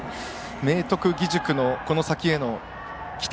明徳義塾のこの先への期待。